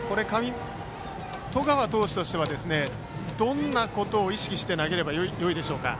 十川投手としてはどんなことを意識して投げればよいでしょうか。